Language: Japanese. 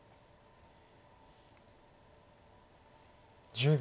１０秒。